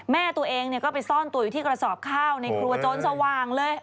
แม่ตัวเองก็ไปซ่อนตัวอยู่ที่กระสอบข้าวในครัวโจรสว่างเลย